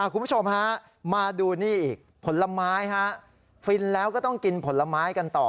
คุณผู้ชมฮะมาดูนี่อีกผลไม้ฟินแล้วก็ต้องกินผลไม้กันต่อ